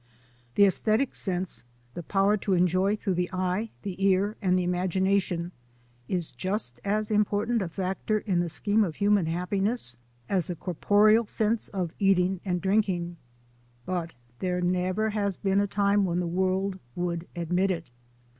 The aesthetic sense — the power to enjoy through the eye, the ear, and the imagination — is just as important a factor in the scheme of human happiness as the corporeal sense of eating and drink ing; but there has never been a time when the world would admit it.